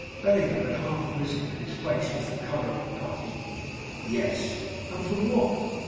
Bellingham had half risen, and his face was the colour of putty. "Yes." "And for what?"